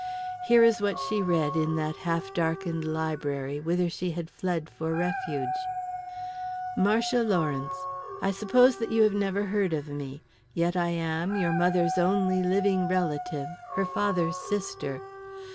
Here is what she read, in that half darkened library whither she had fled for refuge: "MARCIA LAWRENCE: I suppose that you have never heard of me, yet I am your mother's only living relative, her father's sister.